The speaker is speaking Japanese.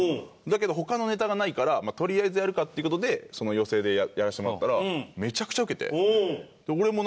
だけど他のネタがないからとりあえずやるかっていう事でその寄席でやらせてもらったら。